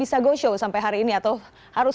bisa go show sampai hari ini atau harus